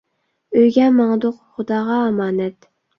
ئۆيگە ماڭدۇق، خۇداغا ئامانەت!